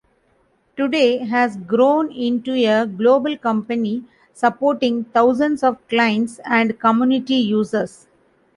Today, has grown into a global company, supporting thousands of clients and community users.